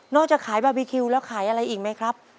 จะขายบาร์บีคิวแล้วขายอะไรอีกไหมครับ